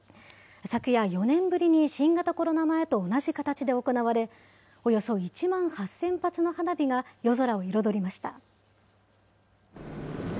昨夜、４年ぶりに新型コロナ前と同じ形で行われ、およそ１万８０００発の花火が、夜空を彩りました。